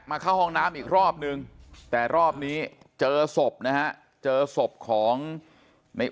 เข้าห้องน้ำอีกรอบนึงแต่รอบนี้เจอศพนะฮะเจอศพของใน